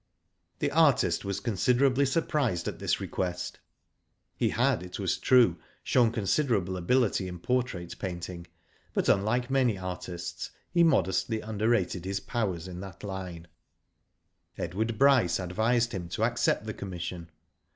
The artist was considerably surprised at this request. He had, it was true, shown considerable ability in portrait painting, but, unlike many artists, he modestly underrated his powers in that line. Digitized byGoogk AT MUNDA AGAIN. 153 Edward Bryce advised him to accept the commission.